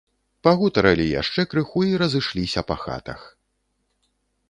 Пагутарылі яшчэ крыху і разышліся па хатах.